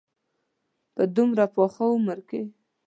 په دومره پاخه عمر کې.